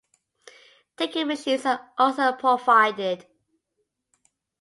Ticket machines are also provided.